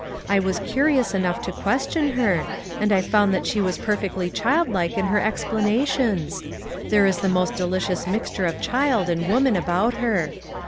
I was curious enough to question her, and I found that she was perfectly childlike in her explanations there is the most delicious mix ture of child and woman about her!